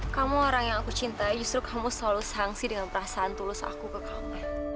kamu orang yang aku cintai justru kamu selalu sangsi dengan perasaan tulus aku ke kamu